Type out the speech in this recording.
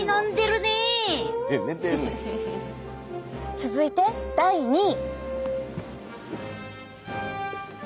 続いて第２位。